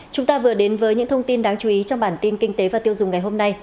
chúng ta vừa đến với những thông tin đáng chú ý trong bản tin kinh tế và tiêu dùng ngày hôm nay